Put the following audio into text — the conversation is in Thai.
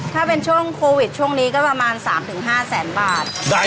ถ้าเป็นช่วงโควิดช่วงนี้ก็ประมาณ๓๕แสนบาท